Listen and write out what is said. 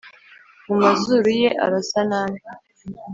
mu mazuru ye arasa nabi